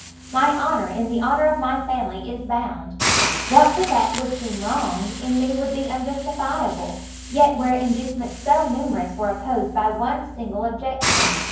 My honour in the honour of my family is bound; what to that would seem wrong, in me would be unjustifiable; yet where inducements so numerous were opposed by one single objection!